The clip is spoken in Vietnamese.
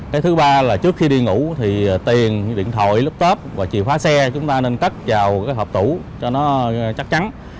cái thứ ba là trước khi đi ngủ thì tiền điện thoại laptop và chìa khóa xe chúng ta nên cắt vào cái hộp tủ cho nó chắc chắn